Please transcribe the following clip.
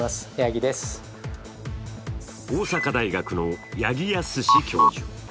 大阪大学の八木康史教授。